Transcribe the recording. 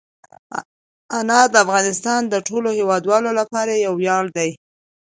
انار د افغانستان د ټولو هیوادوالو لپاره یو ویاړ دی.